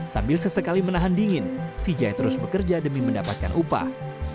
sambil sesekali menahan dingin vijay terus bekerja demi mendapatkan upah